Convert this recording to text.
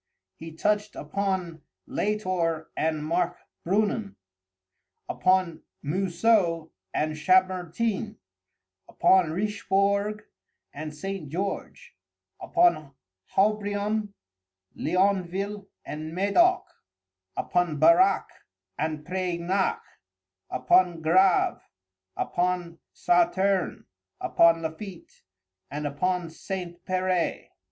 He touched upon Latour and Markbrünnen; upon Mousseux and Chambertin; upon Richbourg and St. George; upon Haubrion, Leonville, and Medoc; upon Barac and Preignac; upon Grâve, upon Sauterne, upon Lafitte, and upon St. Peray.